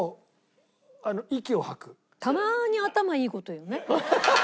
たまに頭いい事言うね。